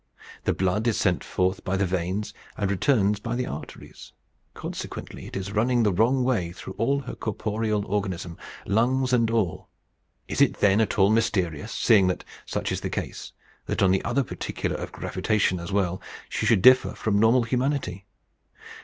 The blood is sent forth by the veins, and returns by the arteries. Consequently it is running the wrong way through all her corporeal organism lungs and all. Is it then at all mysterious, seeing that such is the case, that on the other particular of gravitation as well, she should differ from normal humanity?